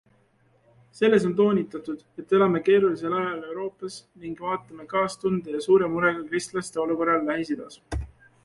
Selles on toonitatud, et elame keerulisel ajal Euroopas ning vaatame kaastunde ja suure murega kristlaste olukorrale Lähis-Idas.